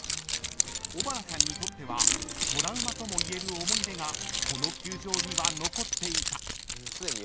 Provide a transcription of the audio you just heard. ［小原さんにとってはトラウマともいえる思い出がこの球場には残っていた］